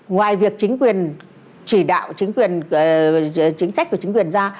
ngoài việc chính quyền chỉ đạo chính quyền chính sách của chính quyền ra